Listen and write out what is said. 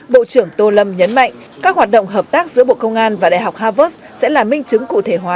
bộ trưởng tô lâm nhấn mạnh các hoạt động hợp tác giữa bộ công an và đại học harvard sẽ là minh chứng cụ thể hóa